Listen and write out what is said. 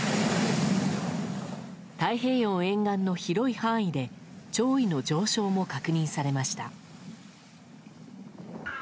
太平洋沿岸の広い範囲で潮位の上昇も確認されました。